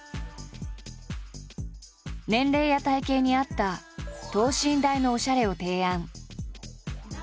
年齢や体形に合った等身大のおしゃれを提案。